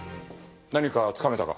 何かつかめたか？